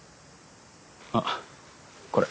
あっこれ。